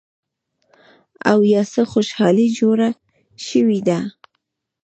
او يا څه خوشحالي جوړه شوې ده